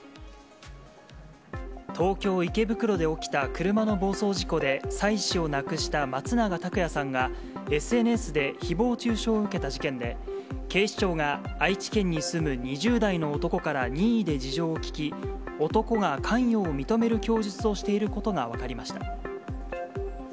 東京・池袋で起きた車の暴走事故で、妻子を亡くした松永拓也さんが、ＳＮＳでひぼう中傷を受けた事件で、警視庁が愛知県に住む２０代の男から任意で事情を聴き、男が関与を認める供述をしていることが分かりました。